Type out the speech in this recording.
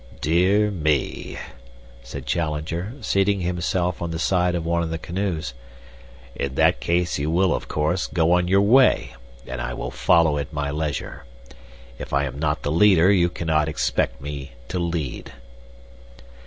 "Dear me!" said Challenger, seating himself on the side of one of the canoes. "In that case you will, of course, go on your way, and I will follow at my leisure. If I am not the leader you cannot expect me to lead."